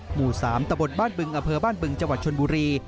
หมู่๓ตะบนบ้านบึงอำเภอบ้านบึงจังหวัดชนบุรี